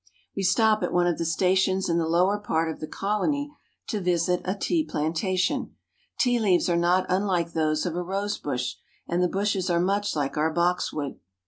We stop at one of the stations in the lower part of the colony to visit a tea plantation. Tea leaves are not unlike those of a rose bush, and the bushes are much like our box wood.